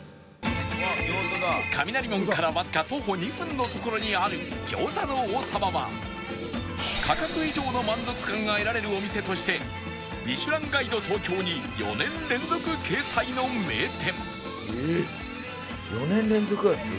雷門からわずか徒歩２分の所にある餃子の王さまは価格以上の満足感が得られるお店として『ミシュランガイド東京』に４年連続掲載の名店